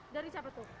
dari siapa tuh